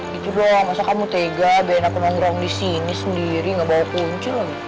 gitu dong masa kamu tega biarin aku nongkrong di sini sendiri gak bawa kunci lagi